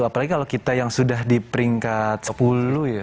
apalagi kalau kita yang sudah di peringkat sepuluh ya